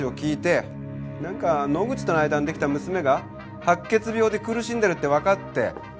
なんか野口との間にできた娘が白血病で苦しんでるってわかって。